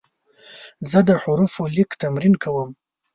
زه د حروفو لیک تمرین کوم.